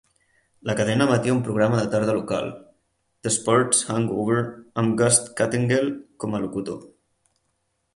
La cadena emetia un programa de tarda local, "The Sports Hangover", amb Gus Kattengell com a locutor.